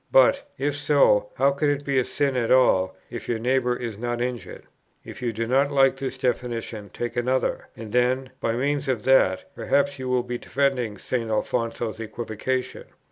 but, if so, how can it be a sin at all, if your neighbour is not injured? If you do not like this definition, take another; and then, by means of that, perhaps you will be defending St. Alfonso's equivocation.